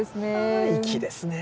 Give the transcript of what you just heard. あ粋ですね。